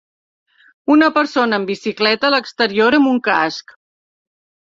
Una persona en bicicleta a l'exterior amb un casc.